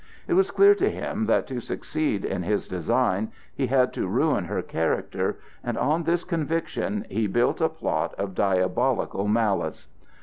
It was clear to him that to succeed in his design he had to ruin her character, and on this conviction he built a plot of diabolical malice.